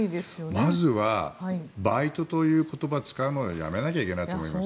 まずはバイトという言葉をやめなきゃいけないと思います。